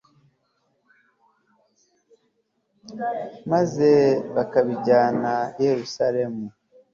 maze bakabijyana i yeruzalemu